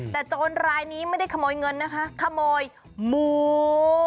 แต่โจรรายนี้ไม่ได้ขโมยเงินนะคะขโมยหมู